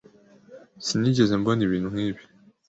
Sinigeze mbona ibintu nkibi.